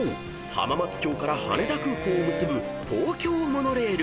浜松町から羽田空港を結ぶ東京モノレール］